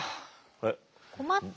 困った？